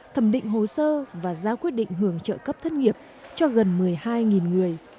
thẩm định hồ sơ và giao quyết định hưởng trợ cấp thất nghiệp cho gần một mươi hai người